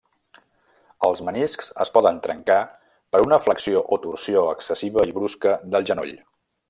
Els meniscs es poden trencar per una flexió o torsió excessiva i brusca del genoll.